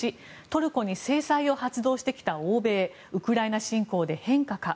１トルコに制裁を発動してきた欧米ウクライナ侵攻で変化か。